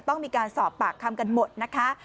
ต้องมีการสอบปากคำกันหมดนะคะ